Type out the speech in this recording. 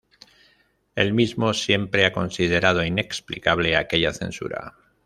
El mismo siempre ha considerado inexplicable aquella censura.